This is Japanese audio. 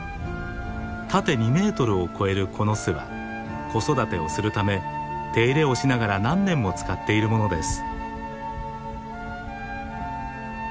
縦２メートルを超えるこの巣は子育てをするため手入れをしながら何年も使っているものです。